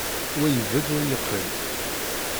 Wa ibedd, wa yeqqim.